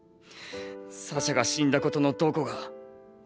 サシャが死んだことのどこが。